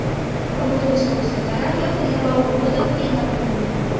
Паводле слоў святара, ён гандляваў мёдам і гароднінай.